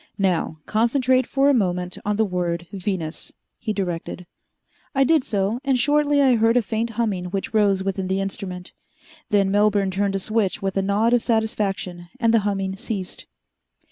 "Now, concentrate for a moment on the word Venus," he directed. I did so, and shortly I heard a faint humming which rose within the instrument. Then Melbourne turned a switch with a nod of satisfaction, and the humming ceased.